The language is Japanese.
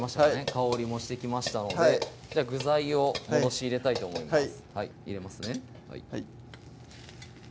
香りもしてきましたので具材を戻し入れたいと思います入れますね